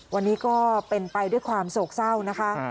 วันนี้ก็เป็นไปด้วยความโศกเศร้านะคะ